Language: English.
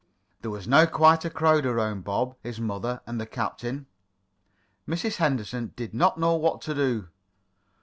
There was now quite a crowd around Bob, his mother, and the captain. Mrs. Henderson did not know what to do.